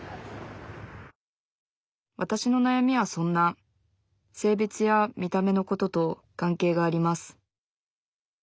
わたしのなやみはそんな性別や見た目のことと関係があります